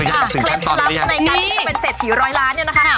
คริปลั๊บคำในการที่จะเป็นเศรษฐี๑๐๐ล้านเนี่ยนะคะ